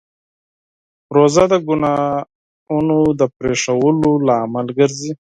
روژه د ګناهونو د پرېښودو لامل ګرځي.